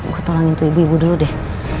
aku tolongin tuh ibu ibu dulu deh